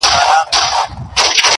راسه چي زړه ښه درته خالي كـړمـه.